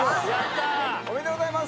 おめでとうございます。